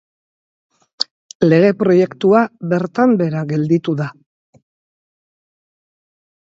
Lege proiektua bertan behera gelditu da